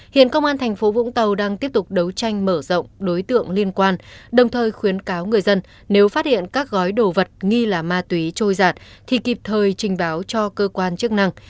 hiện công an thành phố vũng tàu đang tiếp tục đấu tranh mở rộng đối tượng liên quan đồng thời khuyến cáo người dân nếu phát hiện các gói đồ vật nghi là ma túy trôi giạt thì kịp thời trình báo cho cơ quan chức năng